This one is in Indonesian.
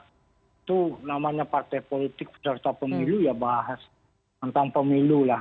itu namanya partai politik peserta pemilu ya bahas tentang pemilu lah